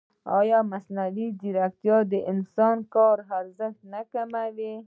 ایا مصنوعي ځیرکتیا د انساني کار ارزښت نه کموي؟